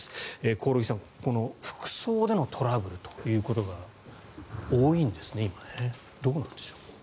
興梠さん服装でのトラブルということが多いんですね、今。